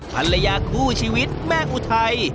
ภรรยาคู่ชีวิตแม่อุทัย